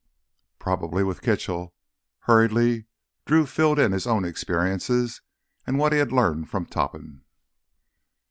"Probably with Kitchell." Hurriedly Drew filled in his own experiences and what he had learned from Topham.